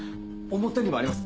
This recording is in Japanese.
表にもあります